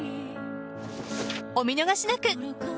お見逃しなく。